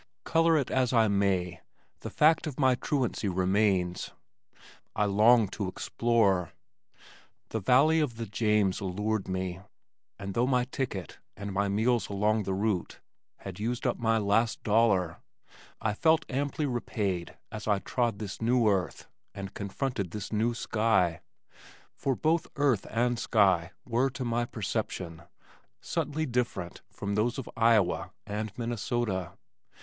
Color it as I may, the fact of my truancy remains. I longed to explore. The valley of the James allured me, and though my ticket and my meals along the route had used up my last dollar, I felt amply repaid as I trod this new earth and confronted this new sky for both earth and sky were to my perception subtly different from those of Iowa and Minnesota.